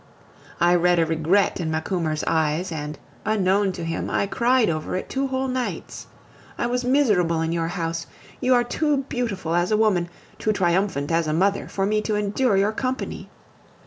I read a regret in Macumer's eyes, and, unknown to him, I cried over it two whole nights. I was miserable in your house. You are too beautiful as a woman, too triumphant as a mother, for me to endure your company.